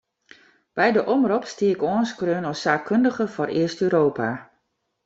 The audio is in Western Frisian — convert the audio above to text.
By de omrop stie ik oanskreaun as saakkundige foar East-Europa.